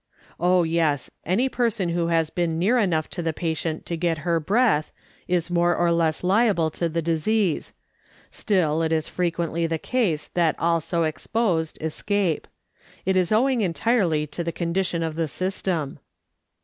" Oh yes ; any person who has been near enough to the patient to get her breath, is more or less liable to the disease ; still it is frequently the case that all so exposed escape. It is owing entirely to the condition of the system.